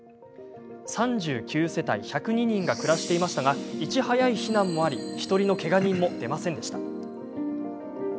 ３９世帯１０２人が暮らしていましたがいち早い避難もあり１人のけが人も出ませんでした。